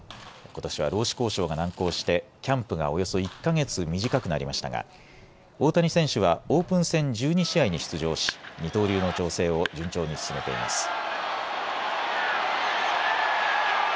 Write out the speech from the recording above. ことしは労使交渉が難航してキャンプがおよそ１か月短くなりましたが、大谷選手はオープン戦１２試合に出場し二刀流の調整を順調に進めています。